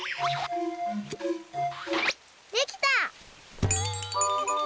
できた！